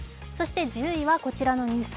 １０位はこちらのニュース。